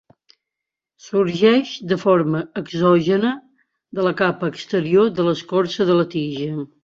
Sorgeix de forma exògena de la capa exterior de l'escorça de la tija.